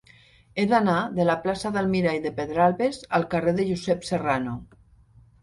He d'anar de la plaça del Mirall de Pedralbes al carrer de Josep Serrano.